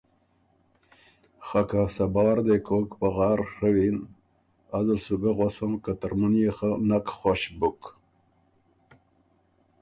خه که صبار دې کوک پغار ڒوِن ازل سُو ګه غؤسم که ترمُن يې خه نک خوش بُک۔